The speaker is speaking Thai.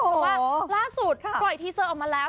เพราะว่าล่าสุดปล่อยทีเซอร์ออกมาแล้ว